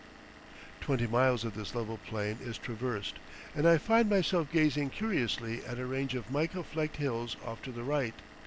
Twenty miles of this level plain is traversed, and I find myself gazing curiously at a range of mica flecked hills off to the right.